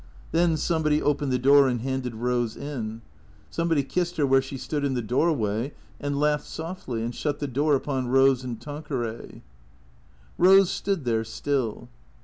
Then somebody opened the door and handed THECEEATORS 51 Rose in. Somebody kissed her where she stood in the doorway, and laughed softly, and shut the door upon Rose and Tan queray. Rose stood there still.